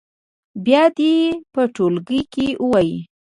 بیا دې یې په ټولګي کې ووایي.